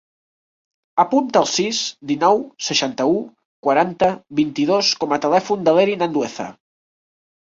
Apunta el sis, dinou, seixanta-u, quaranta, vint-i-dos com a telèfon de l'Erin Andueza.